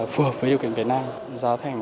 phù hợp với điều kiện việt nam giá thành